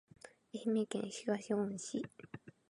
愛媛県東温市